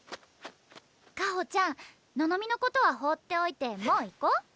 香穂ちゃんののみのことは放っておいてもう行こう。